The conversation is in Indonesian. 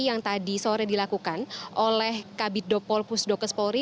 yang tadi sore dilakukan oleh kabit dopol pusdokes polri